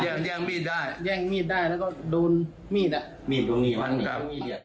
แย่งแย่งมีดได้แย่งมีดได้แล้วก็โดนมีดมีดตรงนี้ว่ะมีดตรงนี้